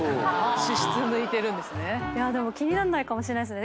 脂質抜いてるんですね。